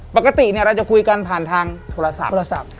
ปกติเราจะคุยกันผ่านทางโทรศัพท์